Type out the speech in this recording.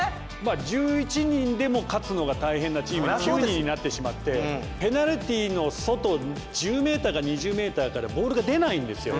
１１人でも勝つのが大変なチームが９人になってしまってペナルティーの外１０ｍか２０ｍからボールが出ないんですよ。